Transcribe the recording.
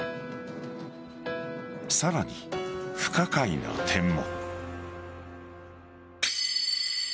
さらに不可解な点も。